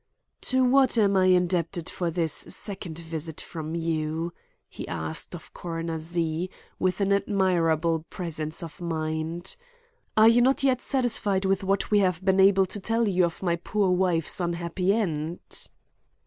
"To what am I indebted for this second visit from you?" he asked of Coroner Z., with an admirable presence of mind. "Are you not yet satisfied with what we have been able to tell you of my poor wife's unhappy end?"